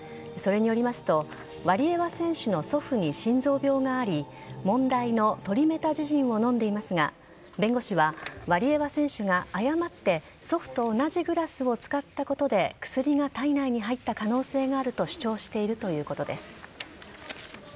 それによりますと、ワリエワ選手の祖父に心臓病があり、問題のトリメタジジンを飲んでいますが、弁護士は、ワリエワ選手が誤って祖父と同じグラスを使ったことで、薬が体内に入った可能性があると主張しているということです。